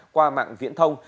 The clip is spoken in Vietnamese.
qua mạng viễn thông